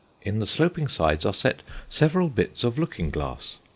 In the sloping sides are set several bits of looking glass.